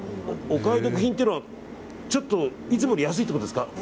お買い得品っていうのはちょっと、いつもより安いってことですか？